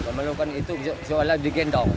kamu melakukan itu seolah di gendong